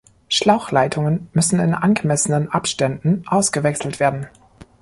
Schlauchleitungen müssen in angemessenen Abständen ausgewechselt werden.